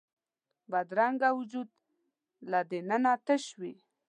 بدرنګه وجود له دننه تش وي